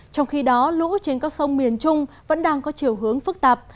trong khi đó lũ trên các sông miền trung vẫn đang có chiều hướng phức tạp